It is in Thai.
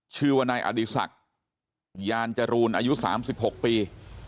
ชื่อว่านายอดีศักดิ์ยานจรูนอายุ๓๖ปี